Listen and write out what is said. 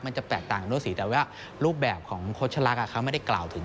มันจะแปลกต่างกันด้วยสิแต่ว่ารูปแบบของโฆษลักษณ์เข้าไม่ได้กล่าวถึง